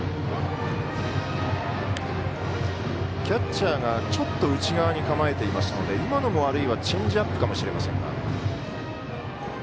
キャッチャーがちょっと内側に構えていますので今のもチェンジアップかもしれません。